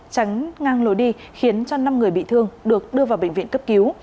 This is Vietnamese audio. tránh ngang lối đi khiến cho năm người bị thương được đưa vào bệnh viện cấp cứu